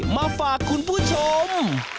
มาฝากคุณผู้ชม